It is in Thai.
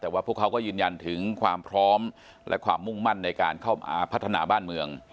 แต่ว่าพวกเขาก็ยืนยันถึงความพร้อมและความมุ่งมั่นในการเข้ามาพัฒนาบ้านเมือง